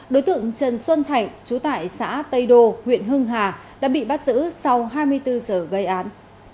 đối tượng trần xuân thạnh trú tại xã tây đô huyện hưng hà đã bị bắt giữ sau hai mươi bốn giờ gây án